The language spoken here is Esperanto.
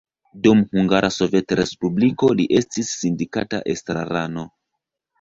Dum Hungara Sovetrespubliko li estis sindikata estrarano.